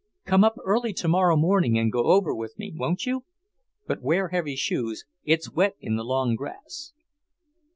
Come up early tomorrow morning and go over with me, won't you? But wear heavy shoes; it's wet in the long grass."